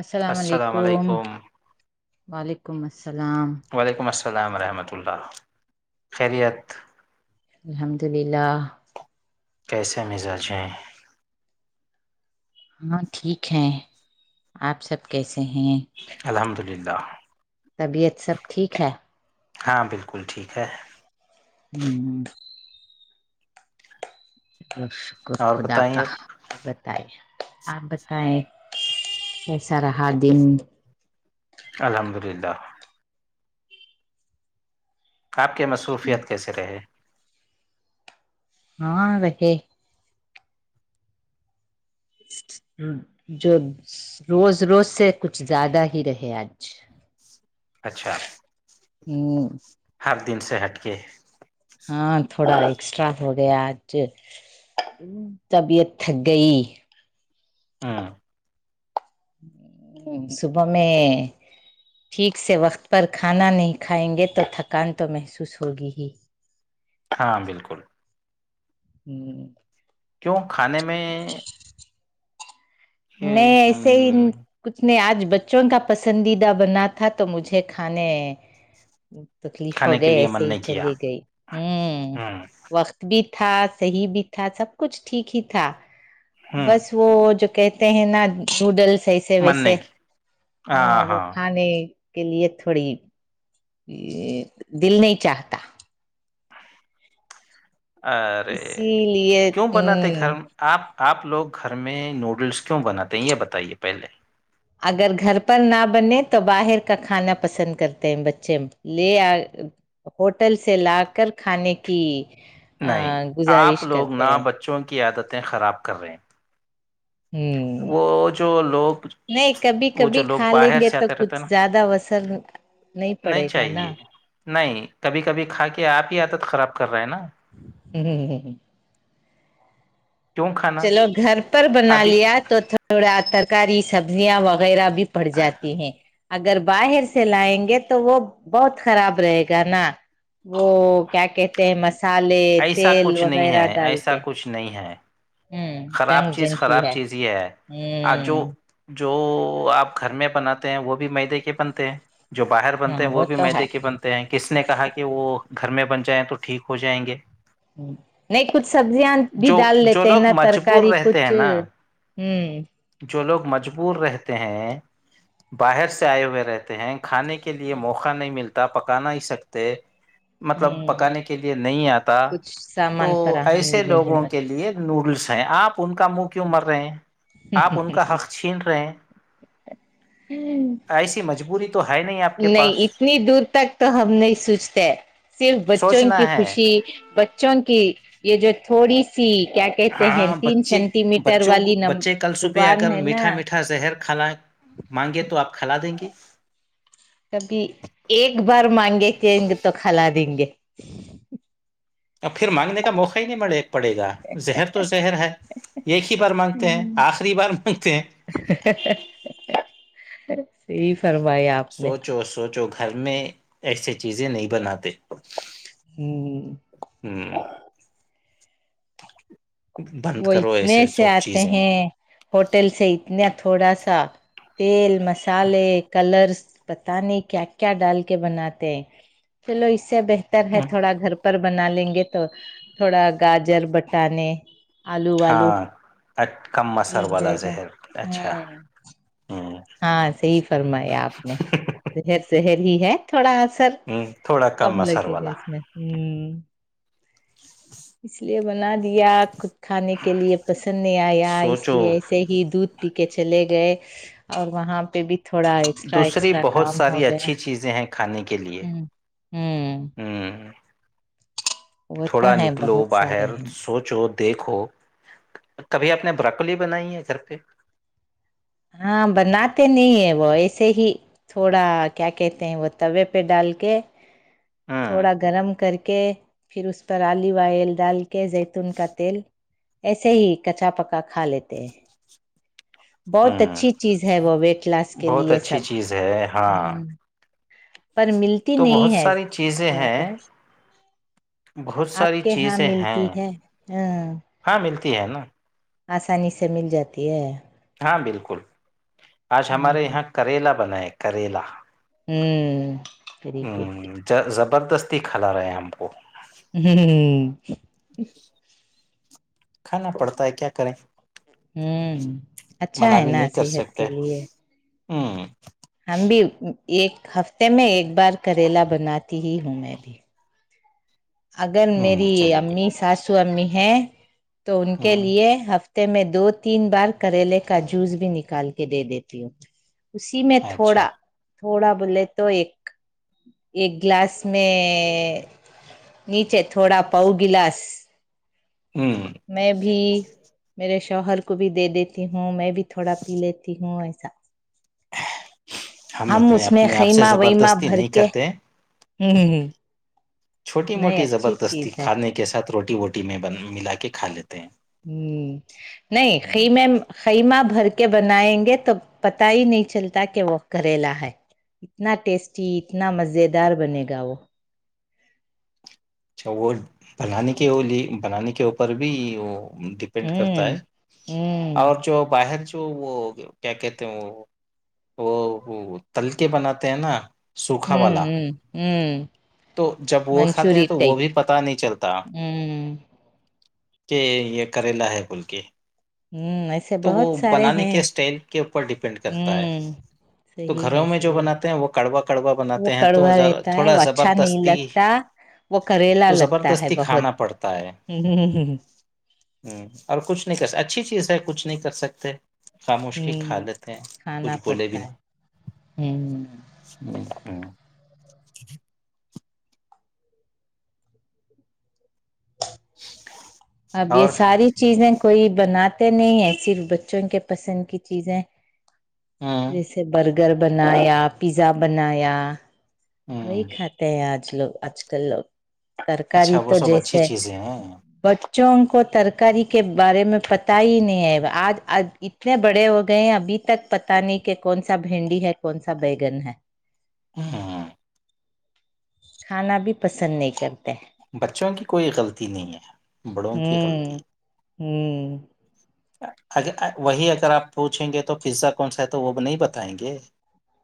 السلام علیکم وعلیکم السلام وعلیکم السلام ورحمۃ اللہ خیریت الحمد للہ کیسے مزاجیں ہاں ٹھیک ہے آپ سب کیسے ہیں الحمد للہ طبیعت سب ٹھیک ہے ہاں بالکل ٹھیک ہے ہوں چل شکر اور خدا بتائیے کاا بتائے آپ بتائیں کیسا رہا دن الحمد للہ آپ کے مصروفیت کیسے رہے ہاں اک جو روز روز سے کچھ زیادہ ہی رہے آج اچھا ہ ہر دن سے ہٹ کے ہاں تھوڑا ایکسٹرا ہو گیا آج طبیعت تھک گئی ہاں صبح میں ٹھیک سے وقت پر کھانا نہیں کھائیں گے تو تھکان تو محسوس ہوگی ہی ہاں بالکل ہوں کیوں کھانے میں یہ نہیں ایسے ہی ہوں، کچھ نے آج بچوں کا پسندیدہ بنا تھا تو مجھے کھانے تکلیف کھانے ہو کے گئے لیے ایسے من ہی نہیں کیا چلی گئی ہوں وقت بھی تھا صحیح بھی تھا سب کچھ ٹھیک ہی تھا ہوں بس وہ ج کہتے ہیں نا نوڈلس ایسے من ویسے نہیں کیا ہاں وہ کھانے کے لیے تھوڑی دل نہیں چاہتا ارے اسی لیے کیوں بناتے ہ گھر آپ آپ لوگ گھر میں نوڈلس کیوں بناتے ہیں یہ بتائیے پہلے اگر گھر پر نہ بنے تو باہر کا کھانا پسند کرتے ہیں بچے لے آ ہوٹل سے لا کر کھانے کی آ، نہیں آپ گزارش لوگ کرتے نہ ہیں بچوں کی عادتیں خراب کر رہے ہیں ہوں وہ جو لوگ نہیں کبھی وہ کبھی جو لوگ کھا لیں باہر گے سے تو آتے رہتے کچھ ہیں نا زیادہ وصن نہیں چاہیے نہیں کبھی کبھی کھا کے آپ ہی عادت خراب کر رہے ہیں نا ہ ہ ہ کیوں کھانا چلو گھر پر بنا ابھی لیا تو تھوڑا ترکاری سبزیاں وغیرہ بھی پڑ جاتی ہیں اگر باہر سے لائیں گے تو وہ بہت خراب رہے گا نا وہ کیا کہتے ہیں مسالے ایسا تیل کچھ نہیں ہے وغیرہ ڈال ایسا کے کچھ نہیں ہے ہوں خراب جنگ چیز جنگ کی خراب ہے چیز یہ ہے آ ہ جو جو آپ گھر میں بناتے ہیں وہ بھی میدے کے بنتے ہیں جو باہر ہاں بنتے ہیں وہ بھی تو ہے میدے کے بنتے کس نے کہا کہ وہ گھر میں بن جائیں تو ٹھیک ہو جائیں گے نہیں کچھ سبزیاں بھی جو ڈال جو لیتے لوگ نہ مجبور ترکاری رہتے کچھ ہیں نا ہوں جو لوگ مجبور رہتے ہیں باہر سے آئے ہوئے رہتے ہیں کھانے کے لیے موقع نہیں ملتا پکانا ہی سکتے ج مطلب پکانے کے لیے نہیں آتا کچھ تو سامان فراہم ایسے نہیں لوگوں کے لیے نوڈلس ہیں آپ ان کا مک کیوں ہوتا مر رہے ہیں آپ ان کا حق چھین رہے ہیں ایسی مجبوری تو ہے نہیں آپ کے نہیں پاس اتنی دور تک تو ہم نہیں سوچتے صرف بچوں سوچنا کی ہے خوشی بچوں کی یہ جو تھوڑی سی کیا کہتے ہیں ہاں تین بچے سینٹی میٹر بچوں والی نم زبان ہے نا اچھا زہر کھالا مانگے تو آپ کھلا دیں گے کبھی ایک بار مانگے چینج تو کھلا دیں گے اب پھر مانگنے کا موقع ہی نہیں ملے پڑے گا زہر تو زہر ہے ایک ہی بار مانگتے ہیں آخری بار مانگتے ہیں صی کروایا آپ نے سوچو سوچو گھر میں ایسے چیزیں نہیں بناتے ہوں ہ وہ کرو اتنے ایسے سے سب آتے چیزیں ہیں ہوٹل سے اتنا تھوڑا سا تیل مسالے کلرس پت نہیں کیا کیا ڈال کے بناتے ہیں چلوسب رہے ہوں، تھوڑا گھر پر بنا لیں گے تو تھوڑا گاجر بٹانے آلو والو ہاں ا کم مثر لگ والا جائے گا زہر اچھا ہوں ہوں ہاں صحی فرمایا آپ نے زہر زہر ہی ہے تھوڑا ا سر تھوڑا کم مصر والا ہوں اس لیے بنا دیا ک کھانے کے لیے پسند نہیں آیا اس سوچو لیے ایسے ہی دودھ پی کے چلے گئے اور وہاں پہ بھی تھوڑا ایکسٹرا دوسری ایکسٹرا بہت کام ہو ساری گیا اچھی چیزیں ہیں کھانے کے لیے ہ ہوں ہوں وہ تو تھوڑا ہیں نکلو بہت سارے باہر ہیں سوچو دیکھو کبھی آپ نے براکلی بنائی ہے گھر پہ ہاں بناتے نہیں ہیں وہ ایسے ہی تھوڑا کیا کہتے ہیں وہ توے پہ ڈال کے ہ تھوڑا گرم کر کے پھر اس پر آلو آئل ڈال کہ زیتون کا تیل ایسے ہی کچا پکا کھا لیتے ہیں بہت ہ اچھی چیز ہے وہ ویٹ لاس کے بہت لیے اچھی سب چیز ہے ہاں پر ملتی تو بہت نہیں ہے ساری چیزیں زیادہ ہیں بہت آپ ساری کے یہاں چیزیں ہیں ملتی ہے ہاں ہاں ملتی ہے نا آسانی سے مل جاتی ہے ہاں بالکل آج ہمارے یہاں کریلا بنا ہے کریلا ہاں ہوں ویری گڈ زبردستی کھلا رہے ہم کو ہوں کھانا پڑتا ہے کیا کریں ہوں اچھا منع ہے بھی نا نہیں کر صحت کے سکتے لیے ہوں ہم بھی ایک ہفتے میں ایک بار کریلا بناتی ہی ہوں میں بھی اگر ہوں میری چلو کوئی امی بات ساسو امی ہیں تو ان کے ہوں لیے ہف میں دو تین بار کریلے کا جوس بھی نکال کے دے دیتی ہوں اسی میں اچھا تھوڑا تھوڑا بولے تو ایک ایک گلاس میں نیچے تھوڑا پاؤ گلاس ہوں میں بھی میرے شوہر کو بھی دے دیتی ہوں میں بھی تھوڑا پی لیتی ہوں ایسا ہم اس اتنے میں اپنے آپ سے خیمہ ویما زبردستی بھر نہیں کے کرتے چھوٹی نہیں موٹی اچھی چیز زبردستی ہے کھانے کے ساتھ روٹی ووٹی میں بن ملا کے کھا لیتے ہیں نہیں ہوں. خیمے خیمہ بھر کے بنائیں گے تو پتا ہی نہیں چلتا کہ وہ گھریلا ہے اتنا ٹیسٹی اتنا مزے دار بنے گا وہ اچھا وہ بنانے کے بنانے کے اوپر بھی وہ پینٹ کرتا ہوں ہے ہوں اور جو باہر جو وہ کیا کہتے ہیں وہ وہ تلکے بناتے ہیں نا سوکھا ہوں والا ہوں ہوں تو جب وہ کھاتے ہیں منچوری تو تو وہ بھی ٹائپ پتا نہیں چلتا ہوں کہ یہ کریلا ہے بول کے ہوں تو وہ بہت سارے بنانے کے ہیں اسٹائل کے اوپر ڈپینڈ کرتا ہے ہوں تو صحیح گھروں ہے میں جو صحیح بناتے ہیں وہ کڑوا کڑوا ہے وہ بناتے ہیں کڑوا توذ رہتا ہے تھوڑا وہ اچھا نہیں زبردستی لگتا وہ کریلا تو لگتا ہے زبردستی بہت کھانا پڑتا ہے ہ اور کچھ نہیں کر اچھی چیز ہے کچھ نہیں کر سکت خاموش کی ہ حالتیں کھانا کچھ بولے بھی پڑتا نہ ہے ہ ہاں اب یہ اور ساری چیزیں کوئی بناتے نہیں ہیں صرف بچوں کے پسند کی چیزیں ہاں جیسے برگر بنایا پیزا بنایا وہی ہوں کھاتے ہیں آج لوگ آج کل لوگ ترکاری اچھا وہ تو سب اچھی جیسے چیزیں ہیں بچوں کو ترکاری کے بارے میں پتا ہی نہیں ہے آج اتنے بڑے ہو گئے ہیں ابھی تک پت نہیں کہ کون سا بھنڈی ہے کون سا بیگن ہے ہاں ہاں کھانا بھی پسند نہیں کرتے بچوں کی کوئی غلطی نہیں ہے بڑوں کی غلطی ہوں ہوں اوہی اگر آپ پوچھیں گے تو پزا کون سا ہے تو وہ بھی نہیں بتائیں گے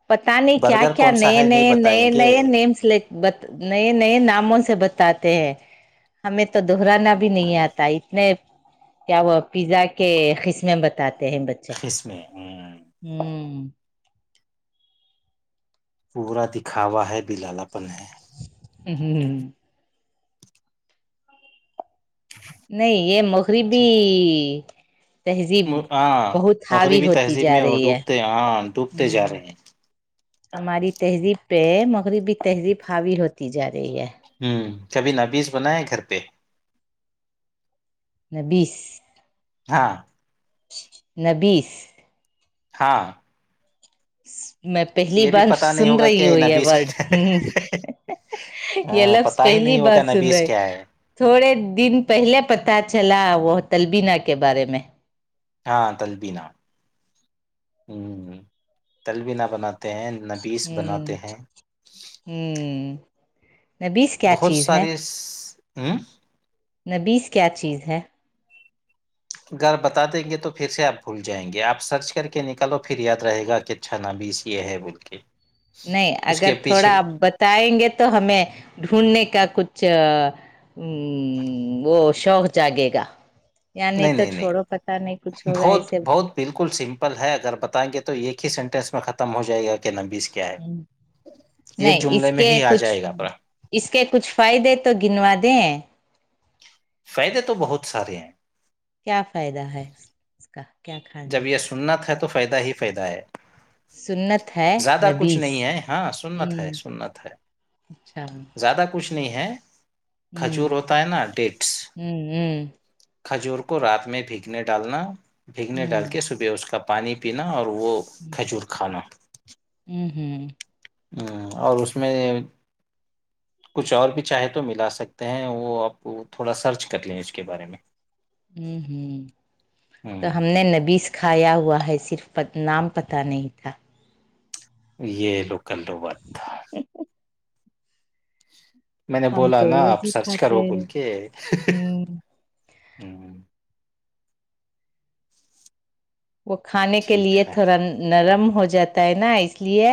پتا نہیں کیا برگر کیا کون سا نئے ہے نہیں نئے بتائیں نئے گے نئے نیم سلیکٹ بت نئے نئے ناموں سے بتاتے ہیں ہمیں تو دہرانا بھی نہیں آتا اتنے کیا وہ پیزا کے قسمیں بتاتے ہیں قسم ہاں ہوں پورا دکھاوا ہے بھی لالا پن ہے ہاں ہوں نہیں یہ مغری بھی تہذیب ہاں بہت ہاوی مغربی ہوتی تہذیب جا میں وہ رہی ہے ڈوبتے ہاں ڈوبتے جا رہے ہیں ہماری تہذیب پہ مغربی تہذیب حاوی ہوتی جا رہی ہے ہوں کبھی نویذ بن ہے گھر پہ بیس ہاں نبس ہاں میں پہلی یہ بھی بار پتا نہیں سن ہوگا رہی کیا ہوں یہ نبیس ورڈ کیا ہاں لو پتا اسپلی ہی نہیں ہوگا بات سن رہ نبیس ہے کیا تھوڑے دن پہلے پتاہ چلا وہ تلبینہ کے بارے میں ہاں تلبینہ ہ تلبینہ بناتے ہیں ہوں بناتے ہیں ہوں نبیس کیا بہت چیز ہے سارے ہ نبیس کیا چیز ہے اھر بتا دیں گے تو پھر سے آپ بھول جائیں گے آپ سرچ کر کے نکالو پھر یاد رہے گا کتنا اچھا نبس یہ ہے بول کے نہیں اس اگر کے تھوڑا پیچھے آپ بتائیں گے تو ہمیں ڈھونڈنے کا کچھ ہاں وہ شوق جاگے گا نہیں تو چھوڑو پتا نہیں کچھ ہوگا بہت ایسے بہت بالکل سمپل ہے اگر بتائیں گے تو ایک ہی سینٹینس میں ختم ہو جائے گا کیا نمبس کے کیا ہے یہ نہیں اس جملے میں کے ہی آ کچھ جائے گا پا اس کے کچھ فائدے تو گنوا دیں فائدے تو بہت سارے ہیں کیا فائدہ ہے اس کا کیا کھانے جب یہ سنت ہے تو فائدہ ہی فائدہ ہے سنت ہے زیادہ کچھ نبیز نہیں ہے ہاں سنت ہے ہوں سننت ہے اچھا زیادہ کچھ نہیں ہے کھچور ہوں ہوتا ہے نا ڈیٹس ہوں کھجور کو رات میں بھیگنے ڈالنا بھیگنے ڈال ہوں کے صبح اس کا پانی پینا اور وہ کھجور کھانا ہوں ہوں اور اس میں کچھ اور بھی چاہے تو ملا سکتے ہیں وہ آپ تھوڑا سرچ کر لیں اس کے بارے میں تو ہوں ہم نے نبیس کھایا ہوا ہے صرف نام پتہ نہیں تھا یہ لوکل روبت میں نے ہم بولا تو نا روز آپ ہی سرچ کھاتے کرو بول ہیں کے ہوں ہوں، وہ کھانے کے ٹھیک لیے ہے تھوڑا نرم ہو جاتا ہے نا اس لیے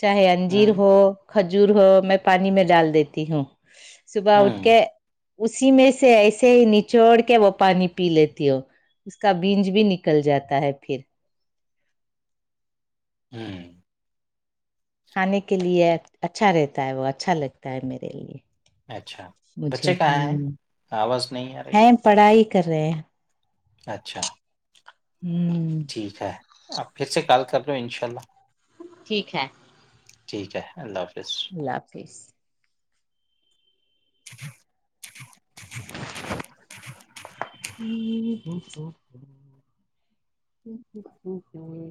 چاہے انجیر ہوں ہو کھجور ہو میں پانی میں ڈال دیتی ہوں صبح اٹھ ہوں کے اسی میں سے ایسے ہی نچوڑ کے وہ پانی پی لیتی ہو اس کا بیج بھی نکل جاتا ہے پھر ہوں کھانے کے لیے اچھا رہتا ہے وہ اچھا لگتا ہے میرے لیے اچھا مجھے بچے کہاں ہیں ہوں آواز نہیں آ رہی ہے پڑھائی کر رہے ہیں اچھا ہوں ٹھیک ہے آپ پھر سے کال کر لو انشاء اللہ ٹھیک ہے ٹھیک ہے اللہ حافظ اللہ حافظ جی [inaudible] [inaudible]